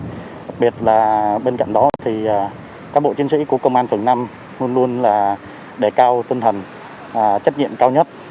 đặc biệt là bên cạnh đó thì cán bộ chiến sĩ của công an phường năm luôn luôn là đề cao tinh thần trách nhiệm cao nhất